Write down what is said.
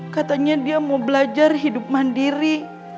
katanya dia mau belajar hidup mandiri